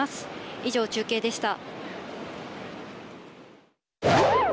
以上、中継でした。